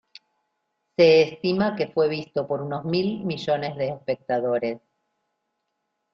Se estima que fue visto por unos mil millones de espectadores.